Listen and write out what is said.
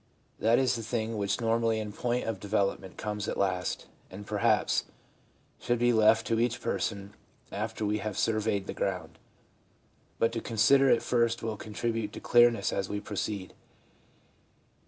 That is the thing which normally in point of develop ment comes last, and perhaps should be left to each person after we have surveyed the ground ; but to con sider it first will contribute to clearness as we proceed.